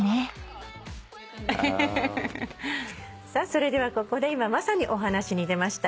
それではここで今まさにお話に出ました